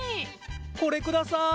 これください。